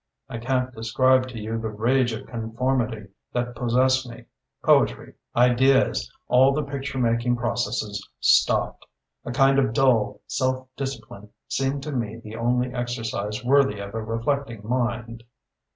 "I can't describe to you the rage of conformity that possessed me. Poetry, ideas all the picture making processes stopped. A kind of dull self discipline seemed to me the only exercise worthy of a reflecting mind.